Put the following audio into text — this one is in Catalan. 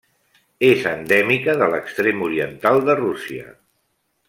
És endèmica de l'extrem oriental de Rússia.